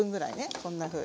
こんなふうに。